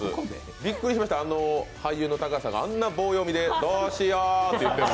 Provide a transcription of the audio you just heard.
びっくりしました、俳優の高橋さんがあんな棒読みでどうしよって言ってるの。